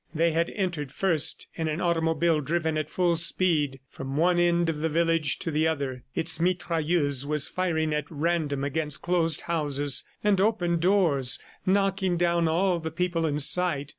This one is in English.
They had entered first in an automobile driven at full speed from one end of the village to the other. Its mitrailleuse was firing at random against closed houses and open doors, knocking down all the people in sight.